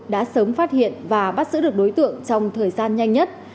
đã sớm phát hiện và bắt giữ được đối tượng trong thời gian nhanh nhất